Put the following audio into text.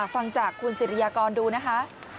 ฟังจากคุณสิริยากรดูนะคะ